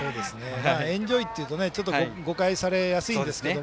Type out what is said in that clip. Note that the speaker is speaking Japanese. エンジョイというと誤解されやすいんですけど